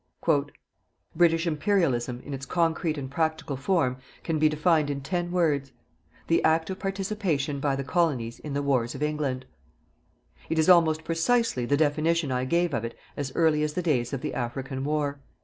_) British Imperialism, in its concrete and practical form, can be defined in ten words: =the active participation by the Colonies in the wars of England=. It is almost precisely the definition I gave of it as early as the days of the African war.